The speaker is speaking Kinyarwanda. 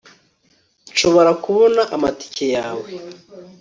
nshobora kubona amatike yawe